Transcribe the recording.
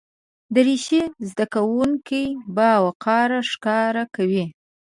دریشي زده کوونکي باوقاره ښکاره کوي.